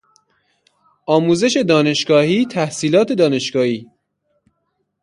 آموزش دانشگاهی، تحصیلات دانشگاهی